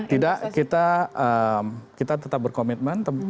tidak kita tetap berkomitmen